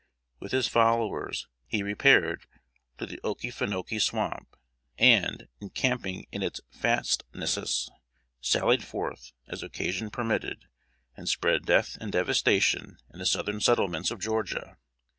With his followers, he repaired to the Okefenoke Swamp, and, encamping in its fastnesses, sallied forth, as occasion permitted, and spread death and devastation in the southern settlements of Georgia.